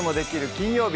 金曜日」